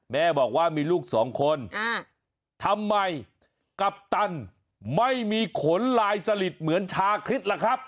แม่บอกว่ามีลูกสองคนทำไมกัปตันไม่มีขนลายสลิดเหมือนชาคริสล่ะครับ